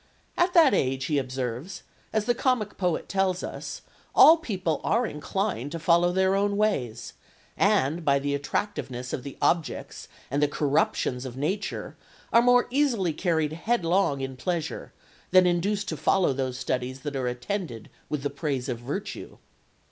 "At that age," he observes, "as the comic poet tells us, all people are inclined to follow their own ways, and, by the attractiveness of the objects and the corruptions of nature, are more easily carried headlong in pleasure ... than induced to follow those studies that are attended with the praise of virtue."